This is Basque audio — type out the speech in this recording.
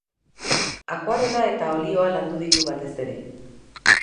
Akuarela eta olioa landu ditu batez ere.